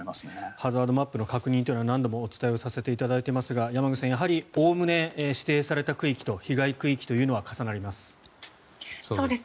ハザードマップの確認は何度もお伝えさせていただいていますが山口さん、おおむね指定された区域と被害区域というのは重なります。